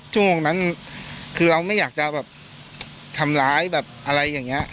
ช่วงนั้นคือเราไม่อยากจะแบบทำร้ายแบบอะไรอย่างนี้